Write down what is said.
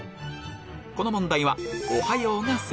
この問題は「おはよう」が